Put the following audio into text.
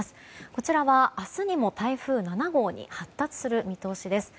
こちらは明日にも台風７号に発達する見通しです。